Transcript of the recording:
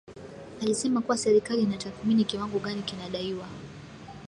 alisema kuwa serikali inatathmini kiwango gani kinadaiwa